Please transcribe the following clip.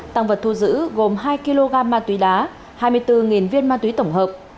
tăng vật thu giữ gồm hai kg ma túy đá hai mươi bốn viên ma túy tổng hợp